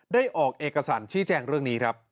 ได้ออกเอกสารชี้แจงเรื่องนี้ครับ